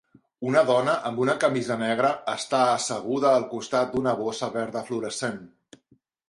Una dona amb una camisa negra està asseguda al costat d'una bossa verda fluorescent.